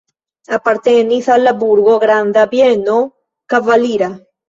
Apartenis al la burgo granda bieno kavalira.